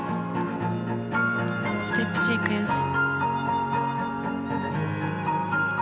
ステップシークエンス。